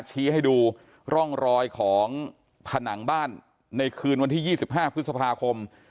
ชี้ให้ดูร่องรอยของผนังบ้านในคืนวันที่๒๕พฤษภาคม